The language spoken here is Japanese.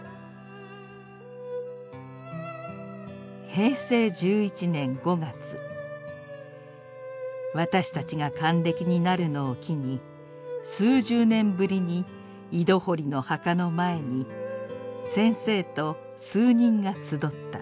「平成１１年５月私たちが還暦になるのを期に数十年ぶりに井戸掘の墓の前に先生と数人が集った。